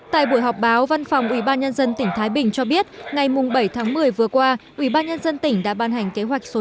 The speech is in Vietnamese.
tại buổi họp báo văn phòng ủy ban nhân dân tỉnh thái bình cho biết ngày bảy một mươi vừa qua ủy ban nhân dân tỉnh đã ban hành kế hoạch số chín mươi chín